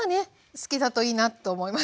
好きだといいなと思います。